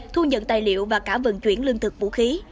thu nhận tài liệu và cả vận chuyển lương thực vũ khí